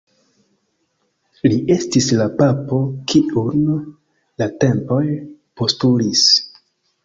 Li estis la papo kiun la tempoj postulis.